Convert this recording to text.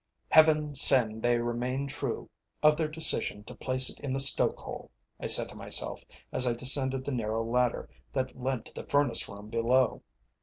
"Heaven send they remained true of their decision to place it in the stoke hole," I said to myself as I descended the narrow ladder that led to the furnace room below.